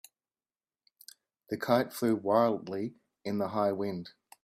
The kite flew wildly in the high wind.